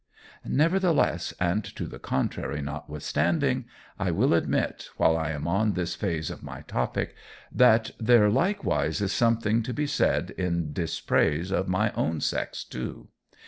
Nevertheless and to the contrary notwithstanding, I will admit while I am on this phase of my topic that there likewise is something to be said in dispraise of my own sex too.